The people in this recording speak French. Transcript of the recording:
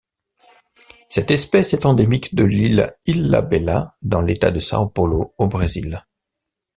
Cette espèce est endémique de l'île Ilhabela dans l'État de São Paulo au Brésil.